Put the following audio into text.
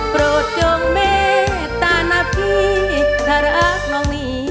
โปรดโจ่งเมตตาหน้าพีทาราคเหมาะนี้